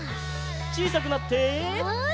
ちいさくなって。